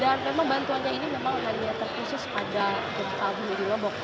dan memang bantuannya ini memang hanya terkisus pada bintu bni lombok